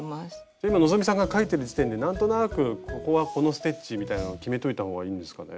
今希さんが描いてる時点で何となくここはこのステッチみたいなのを決めといたほうがいいんですかね？